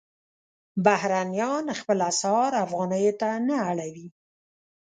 بهرنیان خپل اسعار افغانیو ته نه اړوي.